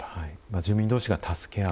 住民同士が助け合う。